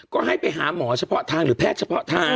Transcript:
ก็ให้ไปหาหมอเฉพาะทางหรือแพทย์เฉพาะทาง